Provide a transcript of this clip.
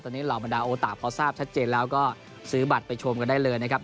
ตอนนี้เหล่าบรรดาโอตะพอทราบชัดเจนแล้วก็ซื้อบัตรไปชมกันได้เลยนะครับ